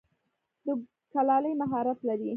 د کلالۍ مهارت لری؟